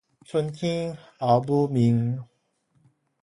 春天後母面